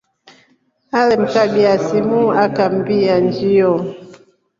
Ale mkabya simu kambia nshio.